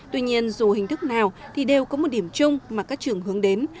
tuy nhiên dù hình thức nào thì đều có một điểm chung mà các trường hướng đến